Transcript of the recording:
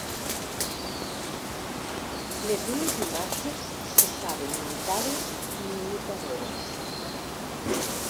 Les dues imatges se saben imitades i imitadores.